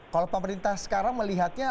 kalau pemerintah sekarang melihatnya